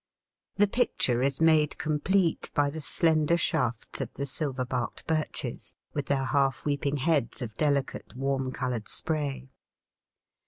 The picture is made complete by the slender shafts of the silver barked birches, with their half weeping heads of delicate, warm coloured spray.